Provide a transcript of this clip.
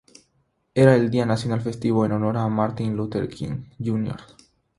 Era el día nacional festivo en honor de Martin Luther King Jr.